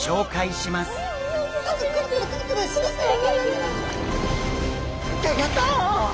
何かクルクルクルクルしだしたよ。